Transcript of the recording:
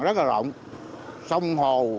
rất là rộng sông hồ